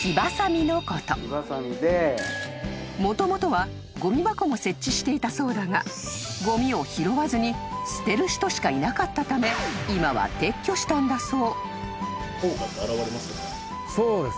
［もともとはごみ箱も設置していたそうだがごみを拾わずに捨てる人しかいなかったため今は撤去したんだそう］